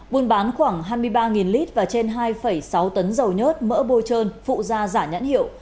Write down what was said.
buôn bán khoảng hai mươi ba lít và trên hai sáu tấn dầu nhớt mỡ bôi trơn phụ da giả nhãn hiệu